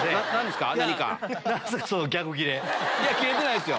キレてないですよ。